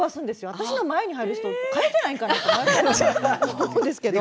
私の前に入る人替えてないんかなって毎回思うんですけど。